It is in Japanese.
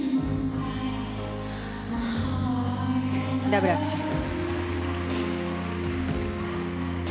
ダブルアクセル。